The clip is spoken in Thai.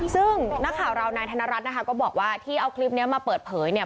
ซึ่งนักข่าวเรานายธนรัฐนะคะก็บอกว่าที่เอาคลิปนี้มาเปิดเผยเนี่ย